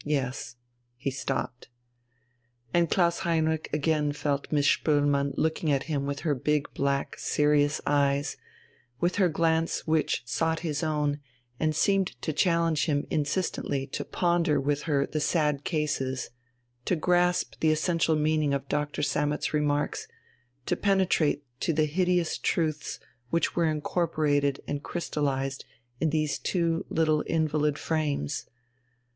Yes." He stopped. And Klaus Heinrich again felt Miss Spoelmann looking at him with her big, black, serious eyes with her glance which sought his own and seemed to challenge him insistently to ponder with her the "sad cases," to grasp the essential meaning of Doctor Sammet's remarks, to penetrate to the hideous truths which were incorporated and crystallized in these two little invalid frames....